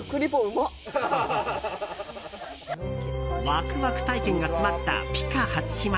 ワクワク体験が詰まったＰＩＣＡ初島。